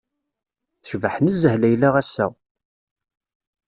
Tecbeḥ nezzeh Leïla ass-a!